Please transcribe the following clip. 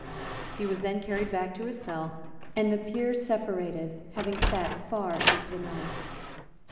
He was then carried back to his cell; and the Peers separated, having sate far into the night.